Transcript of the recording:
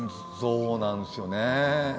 そうなんですよね。